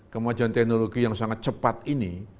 kemajuan teknologi yang sangat cepat ini